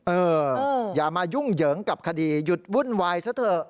เอออย่ามายุ่งเหยิงกับคดีหยุดวุ่นวายซะเถอะ